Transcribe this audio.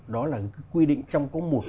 đó là quy định trong có một